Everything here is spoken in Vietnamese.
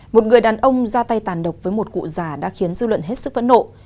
một người đàn ông ra tay tàn độc với một cụ già đã khiến dư luận hết sức phẫn nộ